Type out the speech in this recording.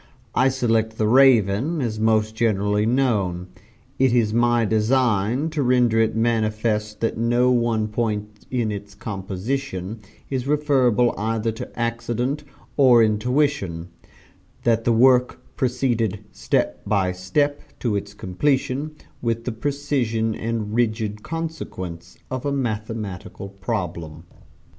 I select 'The Raven' as most generally known. It is my design to render it manifest that no one point in its composition is referable either to accident or intuition that the work proceeded step by step, to its completion, with the precision and rigid consequence of a mathematical problem.